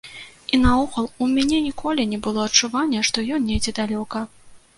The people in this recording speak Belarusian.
І наогул, у мяне ніколі не было адчування, што ён недзе далёка.